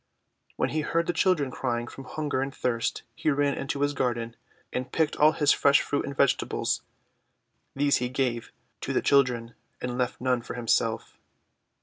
When he heard the children crying from hun ger and thirst he ran into his garden and picked all his fresh fruit and vegetables. These he gave to the children, and left none for himself.